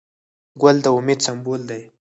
ګل د امید سمبول دی.